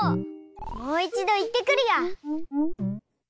もういちどいってくるよ！